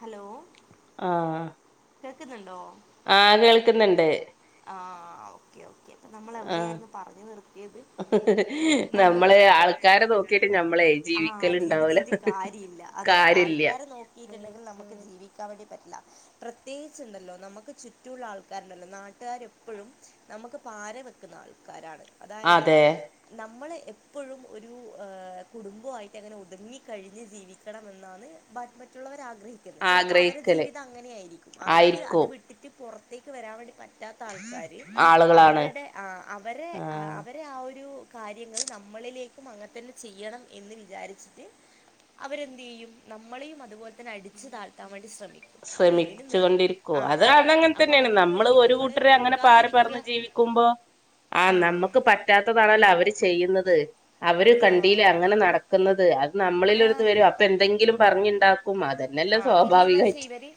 Hello കേൾക്കുന്നുണ്ടോ ആ കേൾക്കുന്നുണ്ട് ആ ഓക്കെ അപ്പൊ നമ്മൾ ആഹ് എവിടെയായിരുന്നു പറഞ്ഞു നിർത്തിയത് നമ്മൾ നമ്മള് ആൾക്കാരെ നോക്കിട്ട് ഞമ്മളെ ആ ജീവിക്കലുണ്ടാവൂല ജീവിച്ചിട്ട് കാര്യമില്ല അതെ കാര്യല്ല ആൾക്കാരെ നോക്കി [unintelligible] നമുക്ക് ജീവിക്കാൻ വേണ്ടി പറ്റില്ല പ്രത്യേകിുണ്ടല്ലോ നമുക്ക് ചുറ്റുമുള്ള ആൾക്കാരുണ്ടല്ലോ നാട്ട ആൾക്കർ എപ്പോഴും നമുക്ക് പാര വെക്കുന്ന ആൾക്കാരാണ് അതായത് അതെ നമ്മളെ എപ്പോഴും ഒരു ഏ കുടുംബമായിട്ട് അങ്ങനെ ഒതുങ്ങി കഴിഞ്ഞ് ജീവിക്കണംമ എന്നാണ് മറ്റുള്ളവർ [unintelligible] ചിലപ്പോൾ അവടെ ആഗ്രഹിക്കല് ജീവിതം അങ്ങനെയായിരിക്കും അവർക്ക് അത് ആയിരിക്കും വിട്ടിട്ട് പുറത്തേക്ക് വരാൻ വേണ്ടി പറ്റ പറ്റാത്ത ആൾക്കാാര് ആളുകളാണ് അവരുടെ ആ അവരെ ആഹ് അവരെ ആ ഒരു കാര്യങ്ങൾ നമ്മളിലേക്കും അങ്ങനെ തന്നെ ചെയ്യണം എന്ന് വിചാരിച്ചിട്ട് അവരെന്ത് ചെയ്യും നമ്മളെയും അതുപോലെ തന്നെ അടിച്ചു താഴത്താൻ വേണ്ടി ശ്രമിക്ക ശ്രമിച്ചുക കൊണ്ടിരിക്കുവ അത അതങ്ങനെ അപ്പൊ തന്നെയാണ് അതിനു നമ്മള് വേണ്ടി ഒരു കൂട്ടര അങ്ങനെ പാറി നിക്കാതിരിക്കുക പററന്ന് ജീവിക്ക ുമ്പോ ആ നമ്മുക്ക് പറ്റാത്തതാണല്ലോ അവര് ചെയ്യുന്നത് അവര് ആ കണ്ടീല്ല അങ്ങനെ നടക്കുന്നത് അത് ആ നമ്മളിലൊരിത് വരും അപ്പൊ എന്തെങ്കിലും പറഞ്ഞു മാതരെല്ലാം ആ പിന്നെ എന്താച്ചാ സ്വാഭാവികമായിട്ട് ഇവര്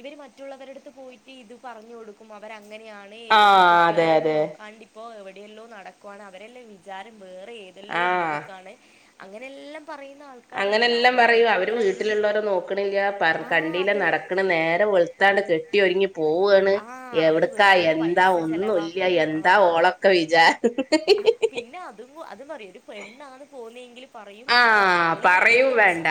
ഇവര് മറ്റുള്ളവരടുത്ത് പോയിട്ട് ഇത് പറഞ്ഞു കൊടുക്കും അവർ അങ്ങനെയാണ് ഇവര് ആഹ് അതെ കുട്ടികളെൊന്ന് അതെ നോക്കാണ്ടിപ്പോ എവിടെയല്ലോ നടക്കുവാണ് അവരെല്ലാം വിചാരം വേറെ ഏതെല്ലോ ആഹ് രീതിക്കാണ് അങ്ങനെല്ലാം പറയുന്ന ആൾക്കാ അങ്ങനെല്ലാം പറയും അവര് വീട്ടിലുള്ളവരെ നോക്കണെങ്കിൽ ആ കണ്ടില്ല അതെ നടക്കുന്ന നേരെ വെളുത്താണ്ട് കെട്ടിൊരുങ്ങി പോവാണ് ആ അവര് എവിടക്കാ വെറുതെ എന്താ പൈസ ഒന്നുമല്ല ചെലവാക്കും എന്താ ആ ഓളൊക്കെ വിചാാര ആ പിന്നെ അതും അതും പററ ഒരു ഫ്രണ്ടാണ് പോുന്നെങ്കിലും പറയും ആ ഓള് രണ്ട പറയും വേണ്ട ദിവസം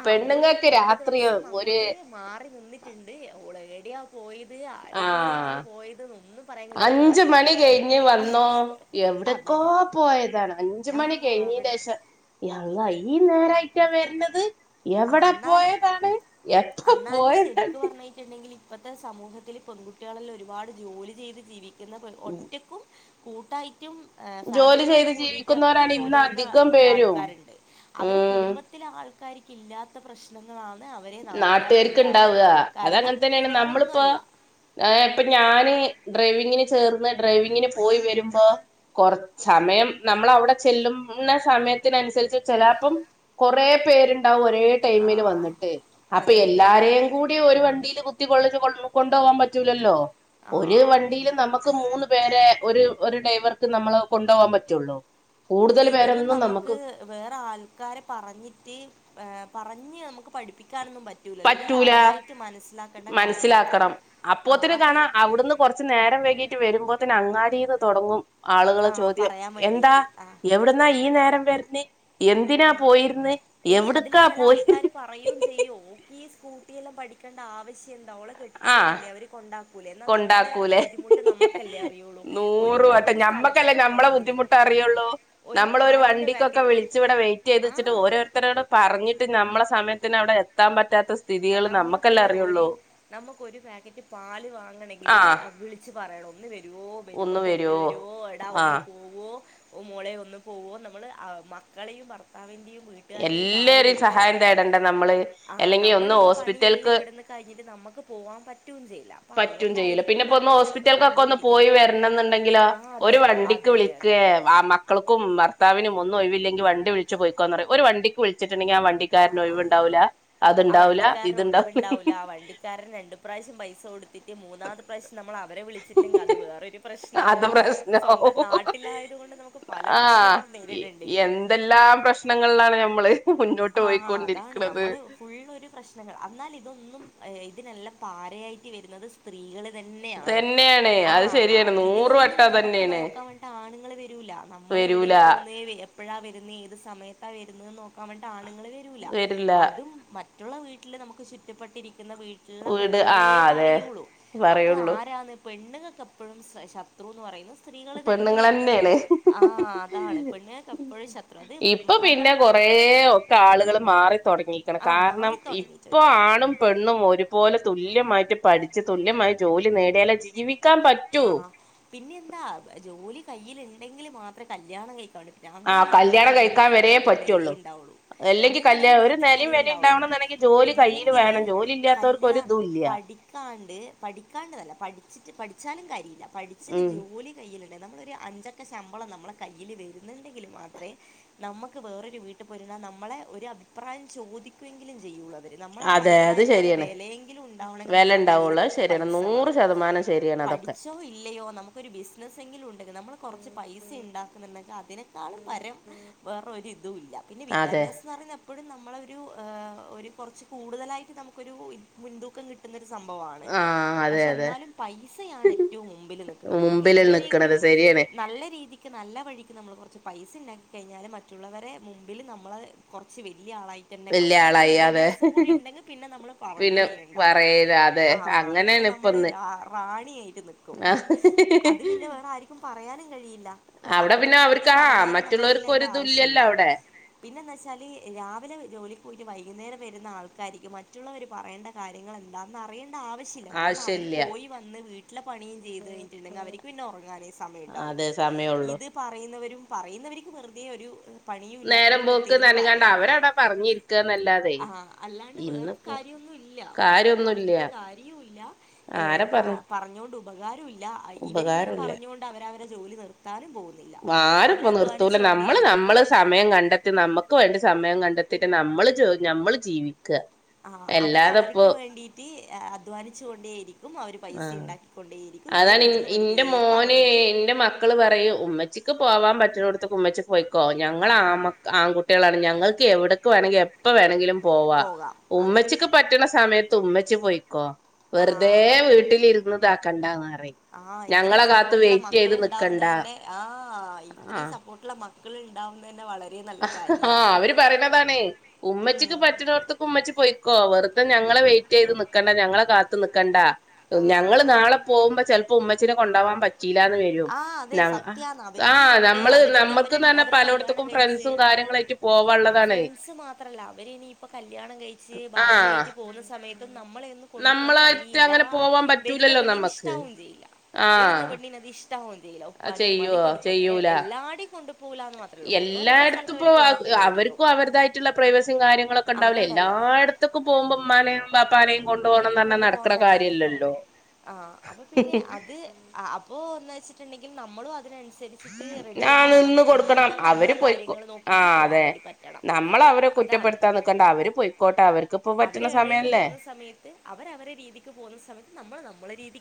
ആ ഓരു പെണ്ണുങ്ങൾക്ക് രണ്ട രാത്രി ദിവസം ഒരു അങ്ങോട്ട് മാറി നിന്നിട്ടുണ്ട് ഓൾറെഡിയാ പോയത് അ ആര ആ കൂടെയാത് പോയത് ഒന്നും പറയാില്ലോ അഞ്ച് മണി കഴിഞ്ഞ് വന്നോ ോളെ എവിടക്കോ പോയതാണ് അഞ്ച മണി കഴിഞ്ഞീ അവിടെ ശശം ങ്ങ ഈ നേരായിട്ടാ വരുന്നത് എവിടെ അന്നാല് പോയതാണ് എപ്പ പോയതാണ് ഇപ്പഴത്തെ സമൂഹത്തിൽ പെൺകുട്ടികളെല്ലാം ഒരുപാട് ജോലി ചെയ്ത് ജീവിക്കുന്ന ഒറ്റക്കും കൂട്ടായി റ്റ ജോലി ഫാമിലിയോട് ചെയ്ത് കൂടിട്ട ഒക്കെ ജീവിക്കുന്നവരാണ് ജോലി ഇന്ന് ചെയ്യുന്ന അധികം പേരും ആൾക്കാരുണ്ട് അവരെ ഉം കുടുംബത്തിലെ ആൾക്ക ക്കാരിക്കില്ലാത്ത പ്രശ്നങ്ങൾ ാണ് അവരെ നാട്ടുകാർക്ക് നാട്ടുകാർക്ക്ുണ്ടാവുക ഉണ്ടാവുക കാരണം ഇത് വേറൊന്നും അല്ല ആ് ഇപ്പൊ ഞാന് ഡ്രൈവിങ്ങിന് ചേർന്ന് ഡ്രൈവിങ്ങിന് പോയി വരുമ്പോ കൊറ സമയം നമ്മൾ അവിടെ ചെല്ലും സമയത്തിനനുസരിച്ച് ചിലപ്പം കൊറ പേരുണ്ടാവും േ ആ ടൈമ വന്നിട്ട് അപ്പൊ അതെ അതെ എല്ലാരേും കൂടി ഒരു വണ്ടിൽ കുത്തി കൊൊള്ള കൊ കൊണ്ടുപകാൻ പറ്റലല്ലോ ഒരു ആ വണ്ടിയിലും നമുക്ക് മൂന്ന് പേരെ ഒരു ഒരു ഡ്രൈവർക്ക് നമ്മള് കൊണ്ടുപോകാൻ പറ്റുള്ളൂ പിന്നെ കൂടുതൽ ഇതൊന്നും പേരൊന്നും നമുക്ക് നമ്മുക്ക് വേറെ ആൾക്കാരെ പറഞ്ഞിട്ട് ഏ പറഞ്ഞ് നമുക്ക് പഠിപ്പിക്കാനൊന്നും പറ്റ പറ്റൂല കാര്യങ്ങളാ മനസ്സിലാക്കണം ആഹ് അപ്പോത്തിന് അപ്പൊ ഈ കാണാ അവിടുന്ന് കുറച്ചു നേരം വൈകി വരുമ്പോ തന്നെ അങ്ങാടിന്ന് തുടങ്ങും ആളുകൾ ആഹ് ചോദ്യം പറയാൻ എന്താ വേണ്ടീട്ട് ആഹ് എവിടുന്നാ ഈ നേരം എന്തിനാ പോയിരുന്ന് ഇനി അതില് എവിടുക്കാ ചില പോയിന്ന് കൂട്ടിയെല്ലാം പഠിക്കേണ്ട ആവശ്യം എന്താ അവളെ ആഹ് കിട്ടിയോനില്ലേ അവര് കൊണ്ടാക്കും എന്നാ നമ്മളെ കൊണ്ടാക്കൂലേ ബുദ്ധിമുട്ട് നമ്മുക്കല്ലേ അറിയുള്ളൂ ഒരു നൂറ് ഒരു സ്ഥലത്ത് പോണെങ്കില് ഒരു നമ്മളരു പാലിൻ്റെ വണ്ടിക്കൊക്കെ പാക്കറ്റ് വിളിച്ചടെ വ ചെയ്തിച്ചിട്ട് ആഹ് ഓരോരുത്തരോട് പറഞ്ഞിട്ട് നമ്മളെ സമയത്തിന് അവിടെ എത്താൻ പറ്റാത്ത സ്ഥിതികൾ നമ്മക്ക് നമ്മക്കല്ലേ ഒരു അറിയുള്ളൂ നമുക്ക് ഒരു പാക്കറ്റ് പ വാങ്ങണമെങ്കിൽത് ആഹ് വിളിച്ചച്ച് പറയണം ഒന്ന് വ വരുവോ വരുമ്പോ ഒന്ന് വരുവോ കൊണ്ടുവരുവോ എടാ ഒന്ന്ു ആഹ് പോവോ ഓ മോളെ ഒന്ന് പോകോ നമ്മള് മക്കളെയും ഭർത്താവിന്റെറെയും എല്ലരും സഹായം തേടണ്ട നമ്മള് അല്ലെങ്കിൽ നമ്മൾ ഈ പണിയെല്ലാം ഇവിടെന്ന് കഴിഞ്ഞിട്ട് നമുക്ക് പോകാൻ പറ്റുകയും ചെയ്ല്ല പറ്റും ചെയ്ല്ല പിന്നെ ഇപ്പോൊ ഒന്ന് ഹോസ്പിറ്റലക്കൊക്കെ ഒന്ന് പോയി പിടിക്കുന്നുണ്ടാവുക വരണ എന്നുണ്ടെങ്കില് ആ ഒരു അതെ വണ്ടിക്ക് അതെ അതെ വിളിക്കുക അതെ ആ മക്കൾക്കും ഭർത്താവിനും ഒന്നും ഒഴില്ലെങ്കിൽ വണ്ടി വിളിച്ചച്ച് പോൊയ്ക്കോന്ന് പറ ഒരു വണ്ടിക്ക് വിളി വിട്ടുണ്ടെങ്കിൽ ആ വണ്ടിക്കാരന് ആഹ് ഒഴിവുണ്ടാവൂല ആ അത്ണ്ടാവൂല വണ്ടിക്കാരന് ഇത്ണ്ടാവല ഒഴിവുണ്ടാവൂല ആ വണ്ടിക്കാരൻ രണ്ട് പൈസ പ്രാവശ്യം കൊടു മൂന്നാമത് പ്രശ്നം നമ്മൾ അവരെ വിളിച്ചിടല്ലെങ്കിൽ അത് വേറൊരു പ്രശ്നാവും സ്വന്തം നാട്ടിലായത് കൊണ്ട് നമുക്ക് പല ആഹ പ്രശ്നങ്ങളും നേരിടേണ്ടി വരും എന്തെല്ലാം പ്രശ്നങ്ങളിലാണ് ഞമ്മള് മുന്നോട്ട് ആഹ ഹ അതാണ് പോയിക്കൊണ്ടിരിക്കണത് നമ്മള് ഫുള്ളൊരു പ്രശ്നങ്ങൾ അന്നാൽ ഇതൊന്നും ഇതിനെല്ലാം പാരയായിട്ട് വരുന്നത് സ്ത്രീകള് തന്നെയാണ് ആ അത് ആ ആ ശരിയാണ് നൂറ് ഇതിലൊന്നും വട്ടം നമുക്ക് തന്നെയാണ് നോക്കാൻ വേണ്ടിട്ട് ആണുങ്ങൾ വരൂല നമ്മൾ എവിടെയാ വരൂല പോകുന്നെ എ- പ്പഴാ വരുന്നേ ഏത് സമയത്താ വരുന്ന് നോക്കാൻ വേണ്ടിട്ട് ആണുങ്ങൾ വരൂല്ല വരില്ല അതും മ- റ്റുള്ള വീട്ടിൽ നമുക്ക് ചുറ്റപ്പെട്ടിരിക്കു- ന്ന വീട്ടിലുള്ള വീട് ആ പെണ്ണുങ്ങളേ അതെ പറയുള്ളൂ അപ്പൊ പറയുള്ളൂ ആരാന്ന് പെണ്ണുങ്ങൾക്കെപ്പോഴും ശത്രു എന്ന് പറയുന്നത് പെണ്ണുങ്ങളെന്നെണ് ഹിഹി ആഹ അതാണ് പെണ്ണ്ങ്ങക്ക് എപ്പോഴും ശത്രു അത് ഇപ്പൊ നമ്മള് പിന്നെ കൊറേ ഒക്കെ ആളുകൾ മാറി തുടങ്ങിയിരിക്ക്ണ് ആ കാരണം ഇപ്പോ മാറിത്തുടങ്ങിയിട്ടുണ്ട് ആണും പെണ്ണും ഒരുപോലെ തുല്യ തുല്യമായിട്ട് പഠിച്ച് തുല്യമായി ജോലി നേടിയാലെ ജീവിക്ക- ആഹ പിന്നെ എന്താ ജോലി കയ്യിലു ണ്ടെങ്കിൽ മാത്രം കല്യാണം കഴി- ആ അങ്ങനെയാണെങ്കിൽ ആ കല്യാണം കഴിക്കാൻ വീട്ടിൽ വരേ അവർക്കൊരു പറ്റുള്ളൂ വിലയുണ്ടാവുള്ളു അല്ലെങ്കിൽ കല്യാ അങ്ങനെയാണെങ്കിൽ ഒരു വീട്ടിലെ നിലയും വിലയും വിലുണ്ടാവുള്ളൂ ഉണ്ടാവണം എന്നുണ്ടെങ്കിൽ ജോലി കയ്യിൽ ഇല്ലെങ്കില് വേണം ജോലി ഇല്ലാത്തവർക്ക് ഒരു കല്യാണം ഇതും ഇല്ല പഠിക്കാണ്ട് പഠിക്കാണ്ട്ന്നല്ല പഠിച്ചിട്ട് പഠി ച്ചാലും കാര്യയില്ല പഠിച്ചിട്ട് ഉം ജോലി കയ്യിൽ നമ്മളൊരു അഞ്ചക്ക ശമ്പളം നമ്മളെ കയ്യിൽ വരുന്നുണ്ടങ്കിൽ മാത്രെ നമ്മക്ക് വേറൊരു വീട്ടിൽ പോയ് നിന്ന നമ്മളെ ഒരു അഭിപ്രായം ചോദിക്കുമെങ്കിലും ചെയ്യുള്ളൂ വര് നമ്മള ആ അതെ അത് അഭിപ്രായത്തിനടെ ശരിയാണ് വിലയെങ്കിലും ഉണ്ടാവണെങ്കിൽ വില നമ്മളുടെ കയ്യില് ഉണ്ടാവുള്ളൂ അത് കുറച്ച് ശരിയാണ് പൈസ നൂറ് വേണം ശതമാനം ശരിയാണ് അതൊക്കെ പഠിച്ചോ ഇല്ലയോ നമുക്കൊരു ബിസിനസ് എങ്കിലും ഉണ്ടെങ്കിൽ നമ്മൾ കുറച്ച് പൈസ ഉണ്ടാക്കുന്നുണ്ടെങ്കിൽ അതിനേക്കാൾ പരം വേറോരി തും ഇല്ല പിന്നെ അതെ വിദ്യാഭ്യാസംന്ന് പറയുന്നേ എപ്പോഴും നമ്മളൊരു ഹെ ഒരു കുറച്ച് കൂടുതലായിട്ട് നമുക്കൊരു മുൻതൂക്കം കിട്ടുന്ന സംഭവമാണ് ആഹ് അതെ പക്ഷെ അതെ എന്നാലും പൈ സയാണ് ഏറ്റവും മുമ്പിൽ നിക്കുന്നത് നമ്മക്ക് മുമ്പില് നിക്കണത് എങ്ങനെങ്കിലും ശരിയാണ് നല്ല രീതിക്ക് നല്ല വഴിക്ക് നമ്മൾ കുറച്ചു പൈസ ഉണ്ടാക്കി കഴിഞ്ഞാൽ മറ്റുള്ളവരെ മുമ്പില് നമ്മള് കുറച്ച് വെ ല്യ ആളായിട്ടന്നെ വല്യ കാണും കുറച്ച് ആളായി അതെ വിദ്യാഭ്യാസം കൂടി ഉണ്ടെങ്കിൽ പിന്നെ നമ്മള് പിന്നെ പറയുകയെ ചെയ്യണ്ട പറയല അതെ ആ ആന്ന പിന്നെ അങ്ങനെയാണ് നമ്മള് ഇപ്പൊന്ന് റാണിയായിട്ട് നിക്കും ആഹ് ഹ് അത് പിന്നെ വേറെ ആർക്കും പറയാനും കഴിയില്ല അപ്പുറത്തിപ്പുറത്തും ആഹ് മറ്റുള്ളവർക്ക് ഒരിതും ഇല്യല്ലോ അവിടെ പിന്നെന്ത വെച്ചാല് രാവിലെ ജോലിക്ക് പോയിട്ട് വൈകുന്നേരം വരുന്ന ആൾക്കാർക്ക് മറ്റുള്ളവർ പറയേണ്ട കാര്യങ്ങൾ എന്താന്ന് അറിയ യടാ ആവശ്യല്ല കാരണം അവര് ആവശ്യല്ല പോയി വന്ന് വീട്ടിലെ പണിയും ചെയ്തു കഴിഞ്ഞിട്ടുണ്ടെങ്കിൽ അവർക്ക് പിന്നെ ഉറങ്ങാനെ സമയം ഉണ്ടാവുള്ളു അതെ സമയള്ളൂ ഇത് പറയുന്നവരും പറയുന്നവർക്ക് വെറുതെ ഒരു പണിയും നേരം ഇല്ലാത്തതുകൊണ്ട് പോക്ക് കുത്തിയിരുന്ന് നർഞ്കാണ്ട് പറയാ അവര അവിടെ പറഞ്ഞിരിക്കാന്നല്ലാതെ ആഹ് അല്ലാണ്ട് വേറെ ഇന്ന്പ്പോ കാര്യൊന്നും ഇല്ല വേറെ പറഞ്ഞിട്ട് കാര്യവുല്ല ഏ ആരെ പറ പറഞ്ഞുകൊണ്ട് ഉപകാരൂല്ല ഇവരിങ്ങനെ ഉപകാരല്ല പറഞ്ഞുകൊണ്ട് അവര അവരെ ജോലി നിർത്താനും പോകുന്നില്ലാ ആരുംപ്പോ നിർത്തൂല നമ്മള് നമ്മള് സമയം കണ്ടെത്തി നമ്മക്ക് വേണ്ടി സമയം കണ്ടെത്തി നമ്മള് ജോ നമ്മള് ജീവിക്കുക ആ അവര് അവർക്ക് വേണ്ടിട്ട് അധ്വാനിച്ചു കൊണ്ടേയിരിക്കും അവര് പൈസ ഉണ്ടാക്കിക്കൊണ്ടേയിരിക്കും ഇവര് ഇടുന്ന് വെറുതെ അതാണ്ന്റെ മോന് പറഞ്ഞിട്ട് ന്റെ മക്കള് പറയും ഉമ്മച്ചിക്ക് പോവാൻ പറ്റുന്നോട്ത്ത്ക്ക് ഉമ്മച്ചി പോയിക്കോ ഞങ്ങൾ ആ ആഹ് ആൺകുട്ടികളാണ് ഞങ്ങൾ എനിക്ക് എവിടക്ക് വേണമെങ്കിലും എപ്പ വേണെങ്കിലും പോവാ പോകാം അതെ ഉമ്മച്ചിക്ക് പറ്റ്ണ സമയ ത്തുമ്മച്ചി പോയിക്കോ വെറുതെ ആഹ് വീട്ടിലിരുന്ന് ഇതാക്കണ്ടാന്ന് പറയും ആഹ് ഇത്രയും ഞങ്ങളെ കാത്ത് സപ്പോർട്ടുള്ള വെയിറ്റ് മക്കള് ചെയ്ത് നിക്കണ്ട ഉണ്ടാവുന്നന്നെ ആഹ് ഇത്രയും സപ്പോർട്ടുള്ള മക്കൾ ഉണ്ടാവുന്നന്നെ വളരെ നല്ല ആ കാര്യമാണ് അവര് പറയുന്നതാണേ ഉമ്മച്ചിക്ക് ഉം പറ്റ്ണോട്ത്ത്ക്ക് ഉമ്മച്ചി പൊയ്ക്കോ വെറു തെ ഞങ്ങളെ വെയിറ്റ് ചെയ്ത് നിക്കണ്ട ഞങ്ങളെ കാത്ത് നിക്കണ്ട ഞങ്ങള് ആഹ് നാളെ പോകുമ്പോ ചെലപ്പോ ഉമ്മ ചിനെ കൊണ്ടാവാൻ പറ്റില്ലാന്ന് വരും ആഹ് അതെ സത്യാന്ന് ആ അവര്ക്ക് രണ്ട് നമ്മള് അവര്ക്ക് അവരെ നമ്മുക്ക്ന്ന് പറഞ്ഞാ പലയിടത്തക്കും ട്രെസും കാര്യങ്ങളയിട്ട് ആ ഫ്രണ്ട്സ് മാത്രല്ല അവര് ഇനിയിപ്പ കല്യാണം കഴിച്ച് ആഹ് ഭാര്യയായിട്ട് പോകുന്ന നമ്മളെ ഒന്നും കൊണ്ടുപോകാൻ നമ്മളായിട്ട് കഴിയില്ല അങ്ങനെ പോവാൻ വരുന്ന പറ്റൂലല്ലോ പണീന് നമ്മക്ക് ഇഷ്ടാവും ചെയ്യില്ല ആഹ് വെരുന്നപ്പെണ്ണിന്നതിഷ്ട്ട തില്ലലൊ ഉപ്പാനി ഉമ്മാനെ ചെയ്യോ കൊണ്ടു പോകുന്നത് ചെയ്യൂല എല്ലാടെേയും കൊണ്ട് പോകില്ല എന്ന് മാത്രള്ളൂ ഒന്നോ രണ്ടോ എല്ലായിടത്തും സ്ഥലത്ത് ഇപ്പൊ അവർ കൊണ്ട് പോകുമായിരിക്കും അവർക്കും അവരുതായിട്ടുള്ള പ്രവസിയും കാര്യങ്ങളൊക്കെ ഉണ്ടാവില്ല ആവേണല്ലോ എല്ലായിടത്തൊക്കും പോകുമ്പോം ഉമ്മാനെയും ബാ കൊണ്ടു പോവാാൻ കഴിയില്ലല്ലോ ആ അപ്പൊ പിന്നെ അത് അപ്പോ ഒന്ന് വെച്ചിട്ടു ണ്ടെങ്കിൽ നമ്മളു അതിന് അനുസരിച്ചിട്ട് റെഡി ആ ആവണം നിന്ന് കൊടുക്കണം നമുക്കും നമ്മളെ അവര് പോയിക്കോ കാര്യങ്ങൾ ആ നോക്കിട്ട് പോവാൻ അതെ വേണ്ടി പറ്റണം നമ്മൾ അവരെ അതാണ് കുറ്റപ്പെടുത്താൻ നിക്കണ്ട അവര് പോയിക്കോട്ടെ അവർക്ക്പ്പോ പറ്റുന്ന സമയല്ലേ അവര് അവരെ രീതിക്ക് പോകുന്ന സമയത്ത് നമ്മൾ നമ്മളെ രീതി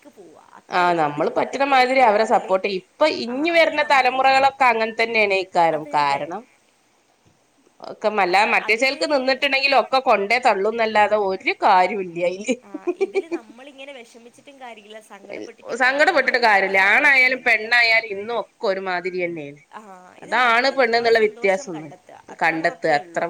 ആ നമ്മള് പറ്റണമാതിരി അവരെ അതിൽ സപ്പോർട്ട് ഇപ്പൊ ഇനി അതിൽ വരുന്ന നമ്മൾ തലമുറകളൊക്കെ അങ്ങനത്തെ തന്നെയാണ് ഇക്കാലം അതെ അതെ കാരണം ഒക്കെ അല്ല മറ്റേ അതിൽ ചേർക്ക് നിന്നിട്ടുണ്ടെങ്കിൽ ഒക്കെ കൊണ്ടേ തള്ളുന്നല്ലാതെ ഒരു കാര്യമില്ല ആ അതില് ഇതില് നമ്മൾ ഇങ്ങനെ വിഷമിച്ചിട്ടും കാര്യമില്ല സങ്കടപ്പെട്ടിട്ടും കാര്യമില്ല നമ്മൾ സങ്കടംപ്പെെട്ടിട്ട് നമ്മളെ കാര്മില്ല സന്തോഷം ആണായാലും കണ്ടെത്തുക പെണ്ണായാലും ഇന്നും ഒക്കെ ഒരുമാ ആ ഇത് അതാണ് നമ്മൾ പെണ് നമ്മളെ എന്നുള്ള വ്യത്യാസ സന്തോഷം ഒന്ന കണ്ടെത്തുക അത്ര കണ്ടത്ത് മാത്രമേ അത്ര ഉള്ളൂ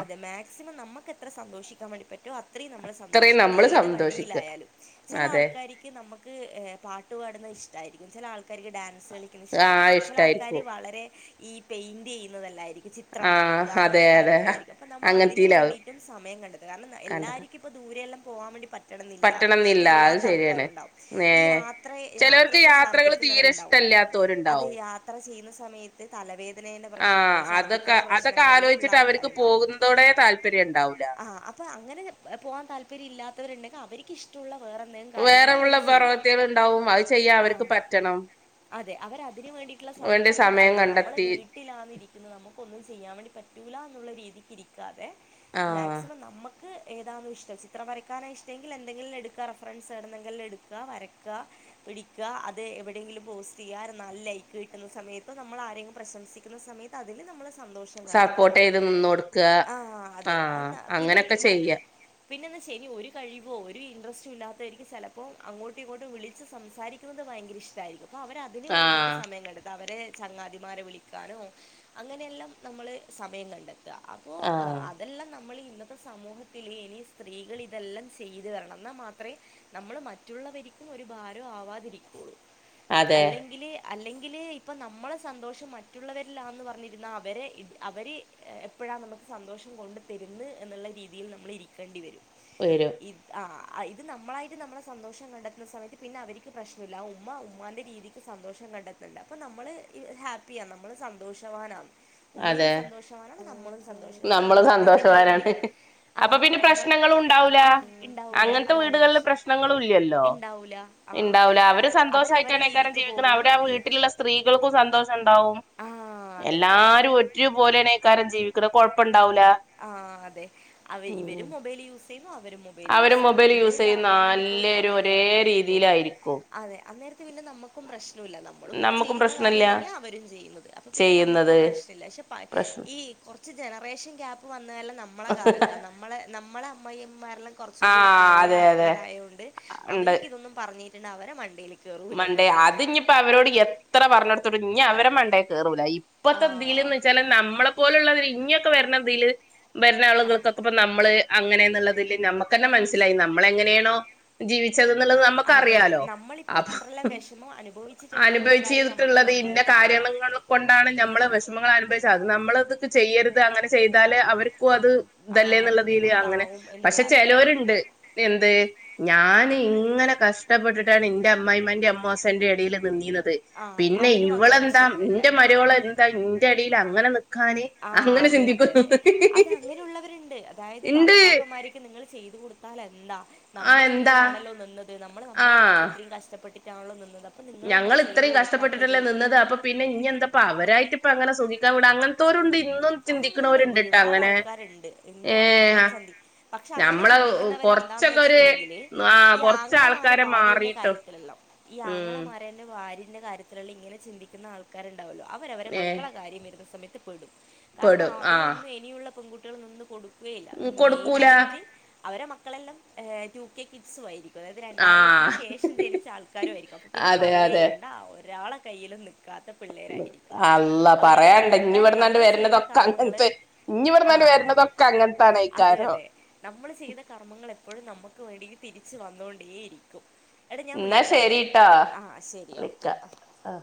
അതെ മാക്സിമം നമുക്ക് എത്ര സന്തോഷിക്കാൻ വേണ്ടി പറ്റും അത്ര നമ്മ അത്രയും സന്തോഷിക്ക നമ്മള് ഏത് സന്തോഷിക്ക വഴിയിലായാലും ചില അതെ ആൾക്കാക്ക് നമക്ക്ട്ട പാടുന്നത് ഇഷ്ടരിക്കും ചില ആൾക്കാർക്ക് ഡാൻസ് കളിക്കുന്നത് ആ ഇഷ്ടമായിരിക്കും ആക്കർ ഇഷ്ടായിരിക്കും വളരെ ഈ പെയിന്റ് ചെയ്യുന്നതല്ലായിരിക്കും ഈ ചിത്രം ആ വരക്കുക അതെ അങ്ങനത്തെ അതെ കാര്യങ്ങളായിരിക്കും അപ്പൾ നമ്മൾ അതിന് അങ്ങനത്തീലാവും വേണ്ടിയിട്ടും സമയം കണ്ടത് കാരണം കണ്ടത് എല്ലാവർക്കും ഇപ്പോൾ ദൂരെെയെല്ലാം പോവാൻ വേണ്ട പ ഇടുന്നില്ല പറ്റണംന്നില്ല അത് ഇഷ്ടമല്ലാത്ത ശരിയാണ് ആൾക്കാാരും ഉണ്ടാവും ഏ ഈ യാത്ര യാത്രൽ ഛർദ്ദിക്കുന്നവരുണ്ടാവും അതെ ാത്തവരുണ്ടാവും യാത്ര ചെയ്യുന്ന സമയത്ത് തലവേദ ആഹ അതൊക്കെ അതൊക്കെ ഉള്ള ആലോചിച്ചിട്ട് അവർക്ക് ആൾക്കാരുണ്ടാവും. പോകുന്നതോടെ താല്പര്യം ഉണ്ടാവൂല ആ അപ്പൊ അങ്ങനെ പോവാൻ താല്പര്യം ഇല്ലാത്തവരുണ്ടെങ്കിൽ അവർക്ക് ഇഷ്ടമുള്ള വേറെ ഉള്ള പർവത്തികൾ ഉണ്ടാവും അത് ചെയ്യാ അവർക്ക് പറ്റണം അതിനന് വേണ്ടിയിട്ടുള്ള വേണ്ടി സമീപം നമ്മൾ സമയം അയ്യോ നമ്മൾ കണ്ടെത്തി വീട്ടാന്ന ഇരിക്കുന്നത് നമുക്കൊന്നും ചെയ്യാൻ വേണ്ടി പറ്റൂില്ല രീതിക്ക് ഇരിക്കാതെ ആഹ് മാക്സിമം നമുക്ക് നമക്ക് ഏതാണ ഇഷ്ടം ചിത്രം വരക്കാനാണ് ഇഷ്ടമെങ്കിൽ എന്തെങ്കിലും എടുക്കുക ഫറൻസ്േണ എെങ്കിലും എക്കുക വരക്കുക പിടിക്കുക അത് എവിടെയെങ്കിലും പോസ്റ്റ് ചെയ്യാൻ നല്ല ലൈക്ക് കിട്ടുന്ന സമയത്തോ നമ്മൾ ആരെങ്കിലും പ്രശംസിക്കുന്ന സമയത്ത് അതിൽ നമ്മൾ സപ്പോർട്ട് ചെയ്ത് നിന്ന കൊടുക്കുക ആ അതെ. ആഹ അതെന്നാ പിന്നെ അങ്ങനെയൊക്കെ മ ചെയ്യുക പിന്നെന്ന് വച്ചനി ഒരു കഴിവോ ഒരു ഇൻട്രസ്റ്റ് ഇല്ലാത്തവക്ക് ചിലപ്പോൾ അങ്ങോട്ടും ഇങ്ങോട്ടും വിളിച്ചച്ച് സംസാരിക്കുന്നത് ഭയങ്കര ഇഷ്ടമായിരിക്കും അപ്പ അവൻ അതിനന് വേണ്ടിട്ട് ആഹ് സമയം കണ്ടെത്ത അവരെ സംങ്ങാതിമാരെ വിളിക്കാനോ അങ്ങനെയെല്ലാം നമ്മൾ സമയം കണ്ട അപ്പോൊ ആഹ് അതെല്ലാം നമ്മൾ ഇന്നത്തെ സമൂഹത്തി ഇനി സ്ത്രീകൾ ഇതെല്ലാം ചെയ്തു വരണം എന്നാൽ മാത്രമേ നമ്മള് മറ്റുള്ളവർ ഒരു ഭാരം ആവാതിരിക്കുള്ളൂ അതെ അല്ലെങ്കിൽ അല്ലെങ്ക ഇപ്പൊ നമ്മളെ സന്തോഷം മറ്റുള്ളവരിലാന്ന് പറഞ്ഞിരുന്ന അവരെ അവര് എപ്പോഴാ നമ്മ സന്തോഷം കൊണ്ട് തന്ന് എന്നുള്ള രീതിയിൽ നമ്മൾ ഇരിക്കേണ്ടി വരും വരും ഇ ആ ഇത് നമ്മളായിട്ട് നമ്മുടെ സന്തോഷം കണ്ടെത്തുന്ന സമയത്ത് പിന്നെ അവർക്ക് പ്രശ്നമില്ല ഉമ്മ ഉമ്മാൻന്റെ രീതി എക്ക് സന്തോഷം കണ്ടെത്തണ്ട് അപ്പോൾ നമ്മള് ഹാപ്പിയാണ് നമ്മള് സന്തോഷവാനാണ് ഉമ്മയും അതെ സന്തോഷമാ നമ്മളും സന്തോഷ അപ്പൊ നമ്മള് നമ്മൾ അതിന്റെ പേരില് സന്തോഷവാനാണ് അപ്പൊ പിന്നെ പ്രശ്നങ്ങള ഉണ്ടാവൂല ഉണ്ടാവില്ല അങ്ങനത്തെ അതാണ് വീടുകളില് പ്രശ്നം പ്രശ്നങ്ങള ഇല്ലല്ലോ ഉണ്ടാവൂല ആ ഉണ്ടാവില്ല അവര് അവരവരെ സന്തോഷമായിട്ടാണ് ഇക്കാര്യം രീതിക്ക് ജീവിക്കുന്നത് പോകുന്നു അവവിടെ ആ വീട്ടിലുള്ള സ്ത്രീകൾക്കും സന്തോഷം ഉണ്ടാവും ആ അതന്നെയാണ് എല്ലാരും ഒറ്റപലെന്നക്കാരം ജീവിക്കുന്നത് കൊഴപ്പമണ്ട് ആ അതെ ഉം ഇവരും മൊബൈൽ യൂസ് അവ മൊബൈൽ അവര് യൂസ് ചെയ്യുന്നു മൊബൈൽ യൂസ് ഇവരും ചെയ്യുന്ന കറങ്ങാൻ വേണ്ടി പോുന്നു എല്ലാരും അവരും ഒരേ കറങ്ങാൻ വേണ്ടി പോുന്നു രീതിയിലായിരിക്കും അതെ അന്നേരത്തെ ന്നെ നമ്മുും പ്രശ്നം നമ്മളും നമ്മുക്കും ചെയ്യുന്ന പ്രശ്നല്ല കാര്യം തന്നെയ അവരും ചെയ്യുന്നത് അപ്പൊ പിന്നെ നമുക്ക് ചെയ്യുന്നത് പ്രശ്നമില്ല പക്ഷെ പ്രശ്നം ഈ കുറച്ച് ജനറേഷൻ ഗ്യാപ്പ് വന്നതല്ല നമ്മളെ കാലത്താണ് നമ്മളെ നമ്മളെ അമ്മയും മാരെല്ലാം കുറച്ചും കൂടെ ആഹ് പഴയ അതെ അതെ ആൾക്കാരായത്ൊണ്ട് ഉണ്ട് അവർക്ക് ഇതൊന്നും പറഞ്ഞിട്ടുണ്ട് അവരെ മണ്ടിയില മണ്ടേ അത് ഇനിയിപ്പോ അവരോട് എത്ര പറഞ്ഞെടുത്തോട്ടും ഇനി അവരെ മണ്ടെ കേയറൂല ഇപ്പത്തെതില്ന്ന് ആ വെച്ചാല് നമ്മളെ പോലുള്ളതില് ഇങ്ങൊക്കെ വരണതില് ഭരുന്ന ആഹ് ആളുകൾക്കൊക്കെ ഇപ്പ നമ്മള് അങ്ങനെെന്നുള്ളതില് നമ്മുക്ക് തന്നെ മനസ്സിലായി നമ്മള എങ്ങനെയാണോ ജീവി ുള്ളത് അതെ അതെ നമുക്കറിയാാലോ നമ്മളിപ്പോ അപ്പൊ എത്രല്ലാം വിഷമം അനുഭവിച്ചിട്ടുണ്ട് ഉള്ള അനുഭവിച്ച കാര്യം നമുക്ക് ചെയ്തിട്ടുള്ളത് ഇന്ന നന്നായിട്ട് അറിയാം കാര്യങ്ങൾ കൊണ്ടാണ് നമ്മള് വിഷമങ്ങൾ അനുഭവിച്ചാ അ നമ്മളതെ ചെയ്യരുത് അങ്ങനെ ചെയ്താല് അവർ അത് ഇതല്ലേ ആഹ് എന്നുള്ളതില് അങ്ങനെ ബുദ്ധിമുട്ടാവും എന്നുള്ള പക്ഷെ അറിയാം ചിലവരുണ്ട് എന്ത് ഞാൻ ഇങ്ങനെ കഷ്ടപ്പെട്ടിട്ടാണ് എന്റെ അമ്മായിമ്മന്റെ അന്റെഅമ്മൂസന്റെ ഇടയിൽ നിന്നീന്നത് ആഹ് പിന്നെ അവരും അങ്ങനെ ഇവളെന്താ കഷ്ടപ്പെടട്ടെ ഇന്റെ മരുമോളെന്താ ഇന്റെ അടിൽ അങ്ങനെ നി ആ അതെ അതെ അതെ അതെ അങ്ങനെയുള്ളവരുണ്ട് അതായത് ഇണ്ട് ഭർത്താക്കന്മാരക്ക് നിങ്ങൾ ചെയ്തു കൊടു ത്താല എന്താ ആ നമ്മൾ എന്താ ഇങ്ങനെയാണല്ലോ നിന്നത് നമ്മൾ നമ്മെ വീട്ടിൽ ആഹ് ഇത്രയും കഷ്ടപ്പെട്ടിട്ടാണല്ലോ നിന്നത് അപ്പം നിങ്ങളെന്താ ഞങ്ങൾ ചെയ്തു ഇത്രയും കൊടുക്കാത്തത് കഷ്ടപ്പെട്ടിട്ടല്ലേ നിന്നത് അപ്പൊ പിന്നെ ഇനി എന്താപ്പ അവരായിട്ട് അപ്പ അങ്ങനെ സുഖിക്കാൻ വിടാ അങ്ങനത്തൊരുണ്ട് ആ ഉണ്ട് ഒരുപാട് ആൾക്കാരുണ്ട് എന്നും അങ്ങനെ ഏ ചി പക്ഷെ അങ്ങനെ നമ്മളെ ചിന്തിക്കുന്നവരെ എന്താന്ന് കൊറച്ചൊക്കെ ഒരു വെച്ചിട്ടുണ്ടെങ്കിൽ ആ ഈ കൊറച്ച് ആങ്ങളമാര് ആൾക്കാരെ ഭാര്യന്റെ മാറിട്ടോ കാര്യത്തിലല്ലാം ഈ ഉം ആങ്ങളമാർ ന്റെ ഭാര്യന്റെ കാര്യത്തിലുള്ള ഇങ്ങനെ ചിന്തിക്കുന്ന ആൾക്കാരുണ്ടാവല്ലോ അവര അവരെ ഏ മക്കളെ കാര്യം വരുന്ന സമയ ടും കാരണം പെടും ആ അതിനൊന്ന് ഇനിയുള്ള പെൺകുട്ടികൾ നിന്ന് കൊടു യില്ല മെയിന് കൊടുക്കൂല ആയിട്ട് അവരെ മക്കളെല്ലാം ടു കെ കിഡ്സും ആയിരിക്കും അ അതായത് ആ രണ്ടായിരത്തിന് ശേഷം ജനിച്ച ആൾക്കാരുവായിരിക്കും അപ്പോൾ പിന്നെ അതെ പറയുക അതെ ചെയ്യേണ്ട ഒരാളെ കയ്യിലും നിക്ക് ത്ത പിള്ളേരായിരിക്കും അള്ള അവർക്കെല്ലാം പറയാണ്ട ഇനി എന്തായാലും ഇവിടുന്നാണ്ട് നമ്മള് ചെയ്ത വരുന്നതൊക്കെ കർമ്മങ്ങൾ അങ്ങനത്തെ ഇനി ആ ഇവിടെ വരുന്നതൊക്കെ അതെ അങ്ങനത്തൻയിക്കാരോ അതെ നമ്മൾ ചെയ്ത കർമ്മങ്ങൾ എപ്പോഴും നമുക്ക് വേണ്ടി തിരിച്ചു വന്നുകൊണ്ടേയിരിക്കും എടാ ഞാൻ എന്നാ വിളിക്കാമേ ശരിട്ടാ ആ ശരി വിളിക്ക ഓക്കെ ആ ആഹ